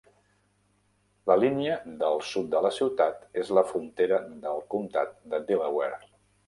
La línia del sud de la ciutat és la frontera del Comtat de Delaware.